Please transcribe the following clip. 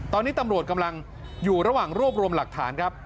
ตอนนี้ตำรวจกำลังอยู่ระหว่างรวบรวมหลักฐานครับ